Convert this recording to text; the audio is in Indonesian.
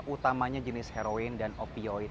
utamanya jenis heroin dan opioid